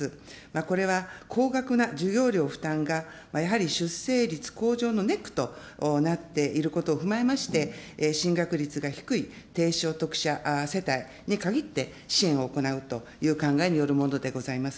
これは高額な授業料負担が、やはり出生率向上のネックとなっていることを踏まえまして、進学率が低い低所得者世帯に限って、支援を行うという考えによるものでございます。